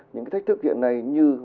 những cái thách thức hiện nay như